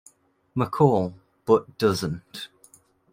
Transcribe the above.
McCall, but doesn't.